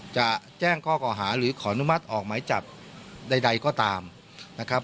จะแจ้งข้อก่อหาหรือขออนุมัติออกหมายจับใดก็ตามนะครับ